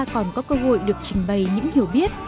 còn có cơ hội được trình bày những hiểu biết